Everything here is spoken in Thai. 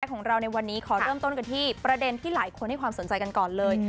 ของเราในวันนี้ขอเริ่มต้นกันที่ประเด็นที่หลายคนให้ความสนใจกันก่อนเลย